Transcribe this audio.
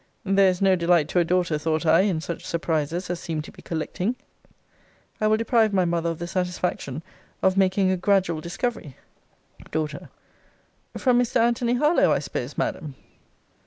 ] There is no delight to a daughter, thought I, in such surprises as seem to be collecting. I will deprive my mother of the satisfaction of making a gradual discovery. D. From Mr. Antony Harlowe, I suppose, Madam?